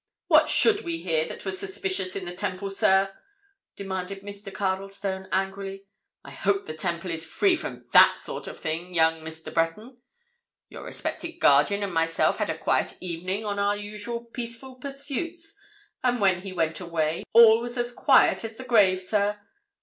"What should we hear that was suspicious in the Temple, sir?" demanded Mr. Cardlestone, angrily. "I hope the Temple is free from that sort of thing, young Mr. Breton. Your respected guardian and myself had a quiet evening on our usual peaceful pursuits, and when he went away all was as quiet as the grave, sir.